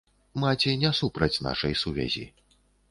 Маці не супраць нашай сувязі.